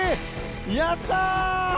やった！